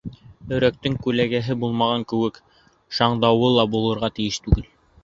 Өрәктең күләгәһе булмаған кеүек шаңдауы ла булырға тейеш түгел.